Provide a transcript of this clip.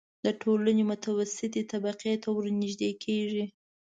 د ټولنې متوسطې طبقې ته ورنژدې کېږي.